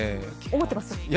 思ってます。